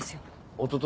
おととい